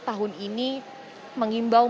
tahun ini mengimbau